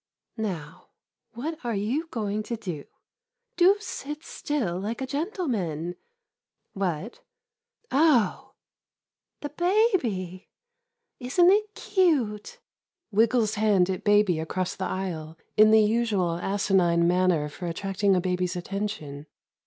... Now, what are you going to do. Do sit still like a gentleman. What? Oh — the baby. Is n't it cute? [Wiggles hand at baby across the aisle, in the usual asinine manner for attracting a baby's attention.'